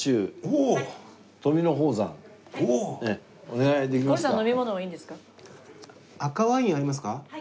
おお！お願いできますか？